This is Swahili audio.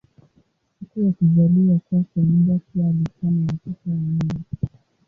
Siku ya kuzaliwa kwake mbwa pia alikuwa na watoto wa mbwa.